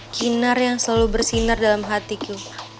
kinar yang selalu bersinar dalam hatiku